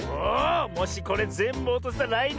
もしこれぜんぶおとせたららいねん